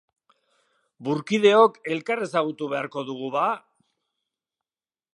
Burkideok elkar ezagutu beharko dugu, ba!